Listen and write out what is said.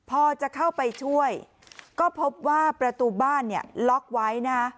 พอจะเข้าไปช่วยก็พบว่าประตูบ้านล็อกไว้นะครับ